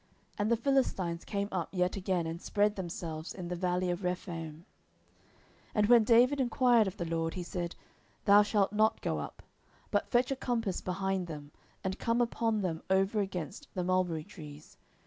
10:005:022 And the Philistines came up yet again, and spread themselves in the valley of Rephaim. 10:005:023 And when David enquired of the LORD, he said, Thou shalt not go up; but fetch a compass behind them, and come upon them over against the mulberry trees.